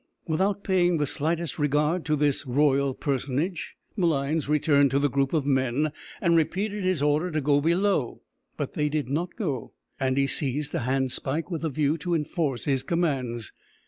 Without paying the slightest regard to this royal personage, Malines returned to the group of men, and repeated his order to go below; but they did not go, and he seized a handspike with a view to enforce his commands.